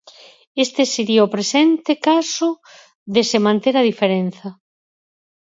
Este sería o presente caso de se manter a diferenza.